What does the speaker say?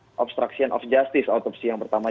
itu adalah obstruction of justice otopsi yang pertama